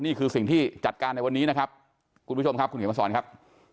นี่คือสิ่งที่จัดการในวันนี้นะครับคุณผู้ชมครับคุณเขียนมาสอนครับ